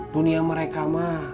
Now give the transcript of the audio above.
dunia mereka mah